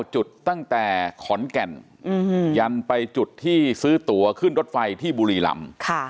จุดตั้งแต่ขอนแก่นยันไปจุดที่ซื้อตัวขึ้นรถไฟที่บุรีรำ